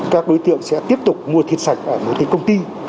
các đối tượng sẽ tiếp tục mua thịt sạch ở một công ty